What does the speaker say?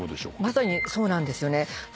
まさにそうなんですよね。